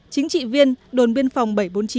chính trị viên đồn biên phòng bảy trăm bốn mươi chín